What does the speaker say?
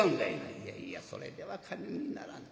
「いやいやそれでは金にならん。